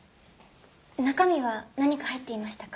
中身は何か入っていましたか？